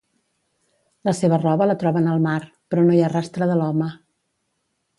La seva roba la troben al mar, però no hi ha rastre de l'home.